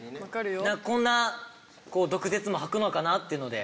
こんな毒舌も吐くのかなっていうので。